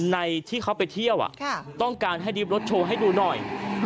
ที่เขาไปเที่ยวต้องการให้รีบรถโชว์ให้ดูหน่อย